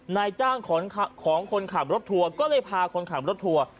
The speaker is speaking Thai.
นายจ้างของคนขับรถทัวร์ก็เลยพาคนขับรถทัวร์